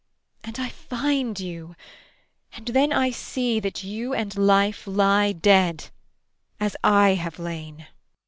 And I find you. And then I see that you and life lie dead as I have lain.